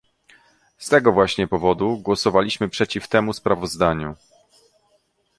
Z tego właśnie powodu głosowaliśmy przeciw temu sprawozdaniu